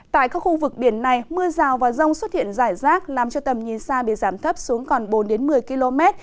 tại các khu vực biển này mưa rào và rông xuất hiện rải rác làm cho tầm nhìn xa bị giảm thấp xuống còn bốn một mươi km